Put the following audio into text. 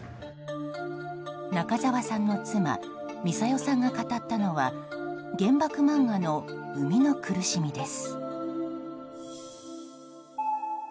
中沢さんの妻・ミサヨさんが語ったのは原爆漫画の生みの苦しみです。